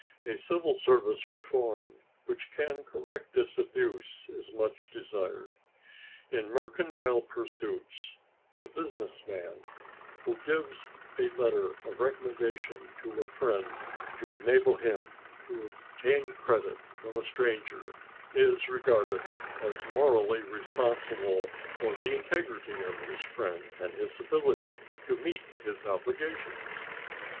A civil service reform which can correct this abuse is much desired. In mercantile pursuits the business man who gives a letter of recommendation to a friend to enable him to obtain credit from a stranger is regarded as morally responsible for the integrity of his friend and his ability to meet his obligations.